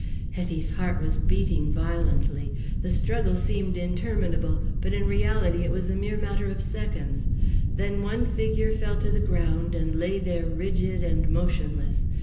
Hetty's heart was beating violently. The struggle seemed interminable, but in reality it was a mere matter of seconds. Then one figure fell to the ground and lay there rigid and motionless.